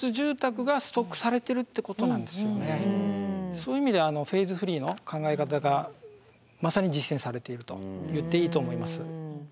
そういう意味でフェーズフリーの考え方がまさに実践されていると言っていいと思います。